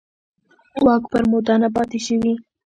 واک پر موده نه پاتې شوي.